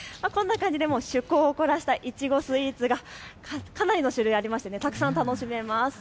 趣向を凝らしたいちごスイーツがかなりの種類ありまして、たくさん楽しめます。